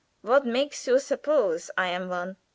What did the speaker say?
What makes you suppose I am one?"